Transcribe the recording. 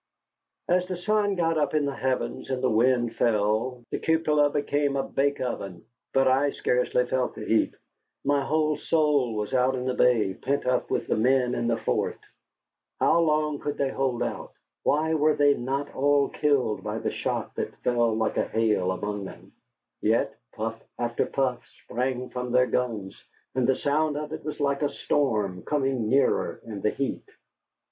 As the sun got up in the heavens and the wind fell, the cupola became a bake oven. But I scarcely felt the heat. My whole soul was out in the bay, pent up with the men in the fort. How long could they hold out? Why were they not all killed by the shot that fell like hail among them? Yet puff after puff sprang from their guns, and the sound of it was like a storm coming nearer in the heat.